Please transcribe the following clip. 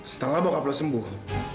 setelah bok abloh sembuh